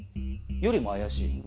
よりも怪しい？